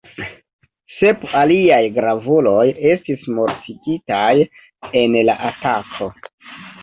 Sep aliaj gravuloj estis mortigitaj en la atako.